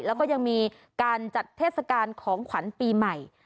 แล้วก็ยังมีการจัดเทศกาลของขวัญปีใหม่